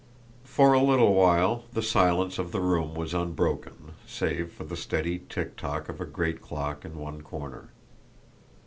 For a little while the silence of the room was unbroken, save for the steady tick tock of a great clock in one corner.